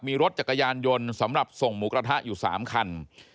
มีรถจักรยานยนต์สำหรับส่งหมูกระทะอยู่๓คัน